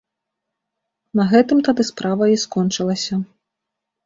На гэтым тады справа і скончылася.